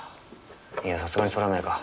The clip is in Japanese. いやさすがにそれはないか。